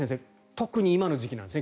特に今の時期なんですね